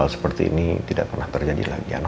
hal seperti ini tidak pernah terjadi lagi